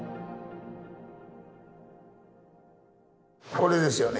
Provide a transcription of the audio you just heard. これですよね